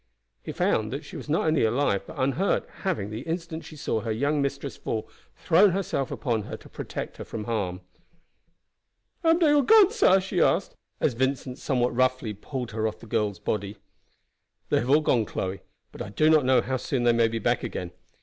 He found that she was not only alive, but unhurt, having, the instant she saw her young mistress fall, thrown herself upon her to protect her from harm. "Am dey all gone, sah?" she asked, as Vincent somewhat roughly pulled her off the girl's body. "They have all gone, Chloe; but I do not know how soon they may be back again.